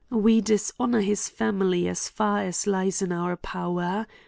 We dishonor his fa mily as far as lies in our power.